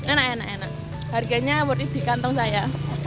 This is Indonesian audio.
enak enak enak harganya murid di kantong saya